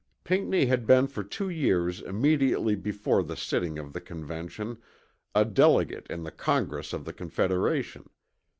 Pinckney had been for two years immediately before the sitting of the Convention, a delegate in the Congress of the Confederation.